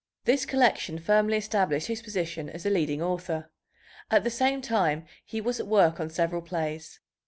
This collection firmly established his position as a leading author. At the same time he was at work on several plays.